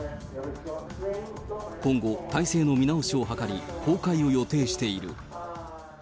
今後、体制の見直しを図り、公開を予定している。